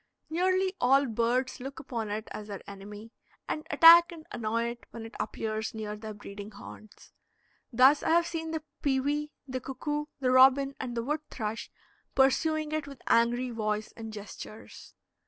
Nearly all birds look upon it as their enemy, and attack and annoy it when it appears near their breeding haunts. Thus, I have seen the pewee, the cuckoo, the robin, and the wood thrush pursuing it with angry voice and gestures.